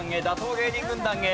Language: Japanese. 芸人軍団へ！